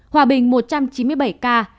hòa bình một trăm chín mươi bảy ca